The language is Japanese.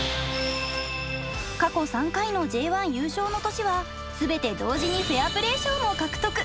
過去３回のＪ１優勝の年は全て同時にフェアプレー賞も獲得。